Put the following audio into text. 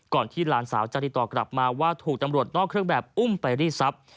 ที่หลานสาวจะติดต่อกลับมาว่าถูกตำรวจนอกเครื่องแบบอุ้มไปรีดทรัพย์